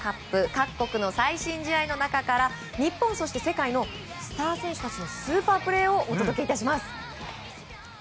各国の最新試合の中から日本、世界のスター選手たちのスーパープレーをお届けします。